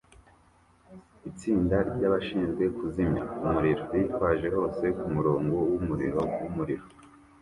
Itsinda ryabashinzwe kuzimya umuriro bitwaje hose kumurongo wumuriro wumuriro